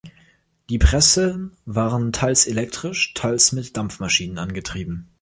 Die Pressen waren teils elektrisch, teils mit Dampfmaschinen angetrieben.